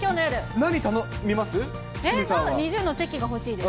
何頼みます？